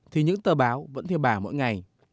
thì những tờ báo vẫn theo bà mỗi ngày